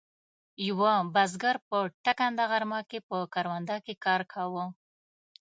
یوه بزګر په ټکنده غرمه کې په کرونده کې کار کاوه.